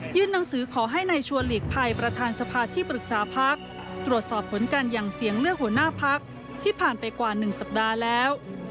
หนังสือขอให้ในชัวร์หลีกภัยประธานสภาที่ปรึกษาพักตรวจสอบผลการหยั่งเสียงเลือกหัวหน้าพักที่ผ่านไปกว่า๑สัปดาห์แล้ว